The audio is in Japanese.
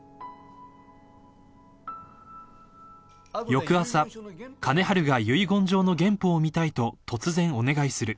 ［翌朝金治が遺言状の原本を見たいと突然お願いする］